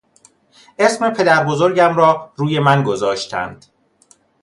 اسم پدر بزرگم را روی من گذاشتند.